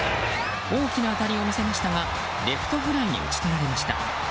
大きな当たりを見せましたがレフトフライに打ち取られました。